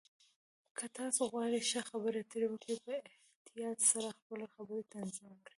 که تاسو غواړئ ښه خبرې اترې وکړئ، په احتیاط سره خپلې خبرې تنظیم کړئ.